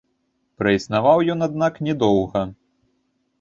Праіснаваў ён, аднак, не доўга.